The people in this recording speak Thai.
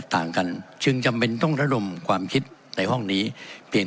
ไม่ใช่เฉพาะเช่นนาที่หรอกนะครับ